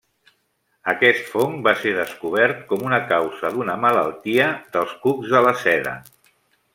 Aquest fong va ser descobert com una causa d'una malaltia dels cucs de la seda.